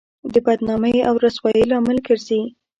د بدنامۍ او رسوایۍ لامل ګرځي.